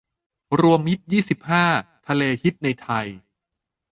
รวมมิตร ยี่สิบห้า ทะเลฮิตในไทย